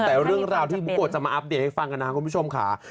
แต่เรื่องราวที่บุ๊กโกะจะมาอัปเดตให้ฟังกันนะครับคุณผู้ชมค่ะ